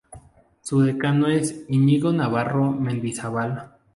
Su decano es Iñigo Navarro Mendizábal.